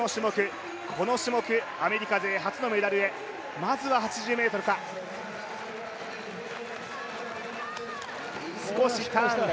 この種目、アメリカ勢初のメダルへまずは８０ｍか。